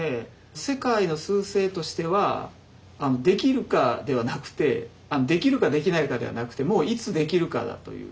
世界の趨勢としてはできるかではなくてできるかできないかではなくてもういつできるかだという。